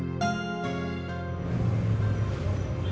cari yang lain